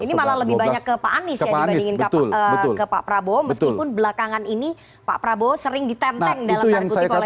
ini malah lebih banyak ke pak anies ya dibandingin ke pak prabowo meskipun belakangan ini pak prabowo sering ditenteng dalam tanda kutip oleh pak jokowi